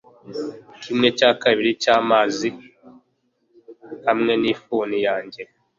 kimwe cya kabiri cyamazi, hamwe nifuni yanjye